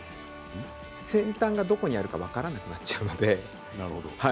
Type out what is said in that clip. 先端がどこにあるか分からなくなっちゃうので。